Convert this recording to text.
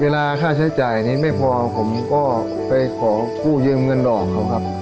ค่าใช้จ่ายนี้ไม่พอผมก็ไปขอกู้ยืมเงินดอกเขาครับ